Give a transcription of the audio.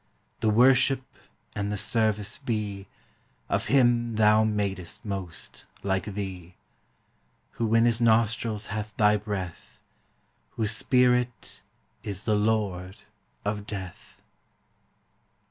The worship and the service be Of him Thou madest most like Thee, Who in his nostrils hath Thy breath, Whose spirit is the lord of death!